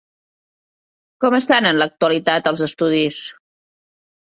Com estan en l'actualitat els estudis?